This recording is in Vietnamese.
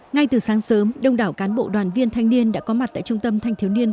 ngay từ sáng sớm đông đảo cán bộ đoàn viên thanh niên đã có mặt tại trung tâm thanh thiếu niên